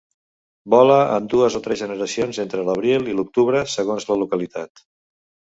Vola en dues o tres generacions entre l'abril i l'octubre, segons la localitat.